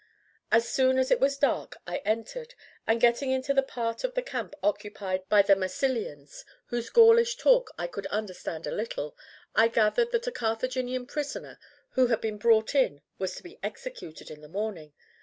As soon as it was dark I entered, and, getting into the part of the camp occupied by the Massilians, whose Gaulish talk I could understand a little, I gathered that a Carthaginian prisoner who had been brought in was to be executed in the morning.